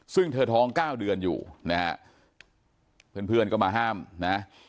ซึ่งเธอท้อง๙เดือนอยู่นะฮะเพื่อนก็มาห้ามนะ